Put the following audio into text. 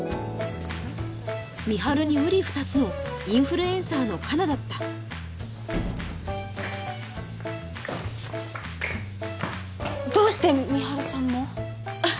美晴にうり二つのインフルエンサーの香菜だったどうして美晴さんも？